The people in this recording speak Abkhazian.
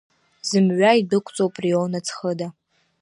Зымҩа идәықәҵоуп Рион аӡхыда.